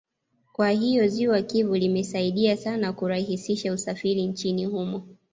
Kwa hiyo ziwa Kivu limesaidia sana kurahisisha usafiri nchini humo